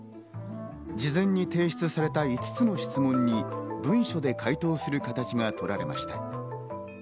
事前に提出された５つの質問に対し、文書で回答する形がとられました。